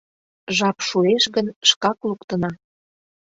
Жап шуэш гын, шкак луктына.